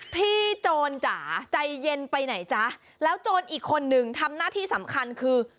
โจรจ๋าใจเย็นไปไหนจ๊ะแล้วโจรอีกคนนึงทำหน้าที่สำคัญคือ